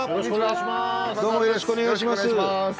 よろしくお願いします。